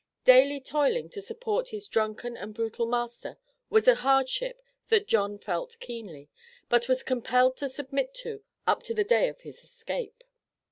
Daily toiling to support his drunken and brutal master, was a hardship that John felt keenly, but was compelled to submit to up to the day of his escape.